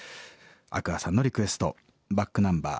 アクアさんのリクエストｂａｃｋｎｕｍｂｅｒ